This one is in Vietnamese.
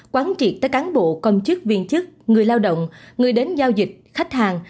quán triệt tới cán bộ công chức viên chức người lao động người đến giao dịch khách hàng